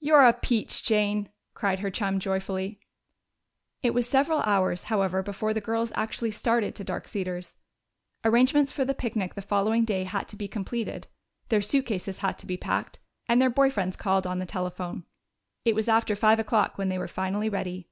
"You're a peach, Jane!" cried her chum joyfully. It was several hours, however, before the girls actually started to Dark Cedars. Arrangements for the picnic the following day had to be completed; their suitcases had to be packed, and their boy friends called on the telephone. It was after five o'clock when they were finally ready.